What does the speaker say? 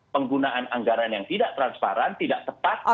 penggunaan anggaran yang tidak transparan tidak tepat